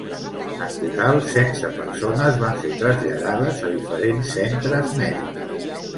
En total, setze persones van ser traslladades a diferents centres mèdics.